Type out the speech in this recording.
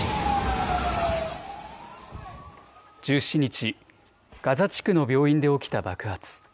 １７日、ガザ地区の病院で起きた爆発。